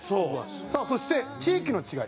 さあそして地域の違い。